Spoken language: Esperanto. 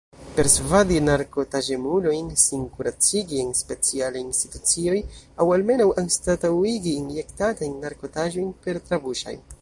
Persvadi narkotaĵemulojn sin kuracigi en specialaj institucioj aŭ almenaŭ anstataŭigi injektatajn narkotaĵojn per trabuŝaj.